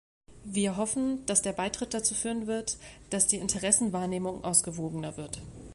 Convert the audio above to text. Wir hoffen, dass der Beitritt dazu führen wird, dass die Interessenwahrnehmung ausgewogener wird.